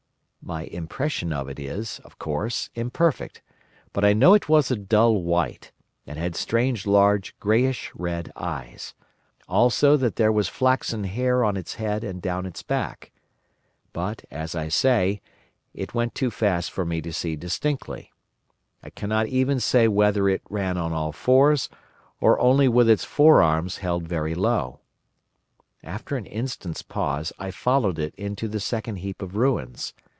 "My impression of it is, of course, imperfect; but I know it was a dull white, and had strange large greyish red eyes; also that there was flaxen hair on its head and down its back. But, as I say, it went too fast for me to see distinctly. I cannot even say whether it ran on all fours, or only with its forearms held very low. After an instant's pause I followed it into the second heap of ruins.